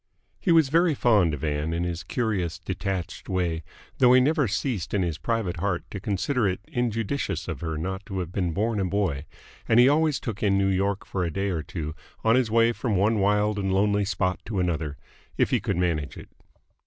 He was very fond of Ann in his curious, detached way, though he never ceased in his private heart to consider it injudicious of her not to have been born a boy, and he always took in New York for a day or two on his way from one wild and lonely spot to another, if he could manage it.